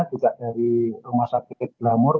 juga dari rumah sakit glamor